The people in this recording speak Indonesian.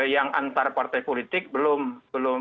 yang antar partai politik belum